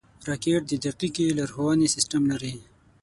راکټ د دقیقې لارښونې سیسټم لري